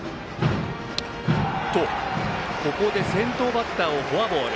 ここで先頭バッターをフォアボール。